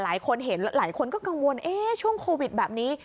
หลายคนเห็นหลายคนก็กังวลช่วงโควิดแบบนี้